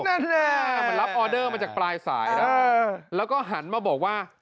มันรับออเดอร์มาจากปลายสายแล้วแล้วก็หันมาบอกว่า